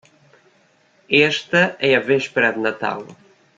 Esta é a véspera de Natal.